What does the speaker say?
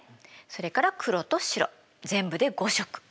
それから黒と白全部で５色。